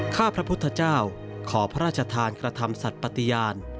ข้าพระพุทธเจ้าขอพระราชทานกระทำสัตว์ปฏิญาณ